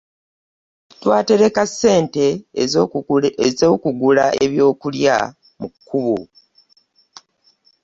Twatereka ssente ezokugula ebyokulya mu kubbo.